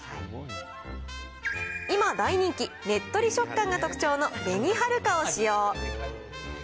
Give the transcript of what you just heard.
今大人気、ねっとり食感が特徴の紅はるかを使用。